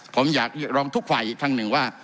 ผมอยากเรียกร้องทุกขวัยทั้งหนึ่งว่า